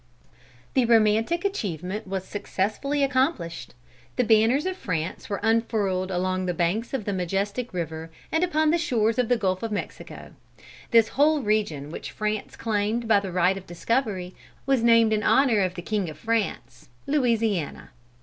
The romantic achievement was successfully accomplished. The banners of France were unfurled along the banks of the majestic river and upon the shores of the Gulf of Mexico. This whole region which France claimed by the right of discovery, was named in honor of the king of France, Louisiana.